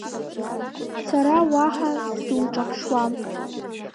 Сара уаҳа сзуҿаԥшуам.